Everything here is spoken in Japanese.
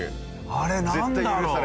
あれなんだろう。